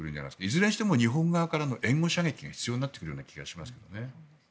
いずれにしても日本側からの援護射撃が必要になってくる気がします。